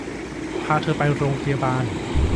พาเธอไปโรงพยาบาล